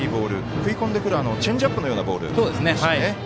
食い込んでくるチェンジアップのようなボールでしたね。